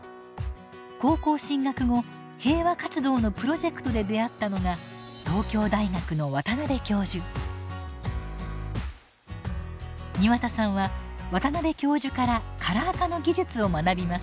高校進学後平和活動のプロジェクトで出会ったのが東京大学の庭田さんは渡邉教授からカラー化の技術を学びます。